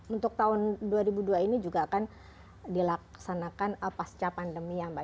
untuk tahun dua ribu dua ini juga akan dilaksanakan pasca pandemi ya mbak